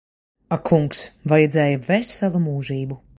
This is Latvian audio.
Ak kungs. Vajadzēja veselu mūžību.